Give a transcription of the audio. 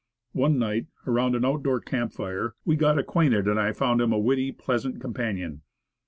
One night, around an out door fire, we got acquainted, and I found him a witty, pleasant companion.